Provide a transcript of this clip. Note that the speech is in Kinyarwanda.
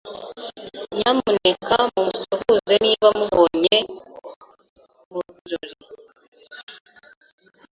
Nyamuneka mumusuhuze niba mubonye mubirori.